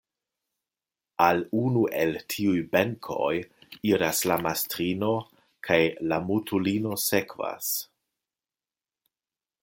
Al unu el tiuj benkoj iras la mastrino kaj la mutulino sekvas.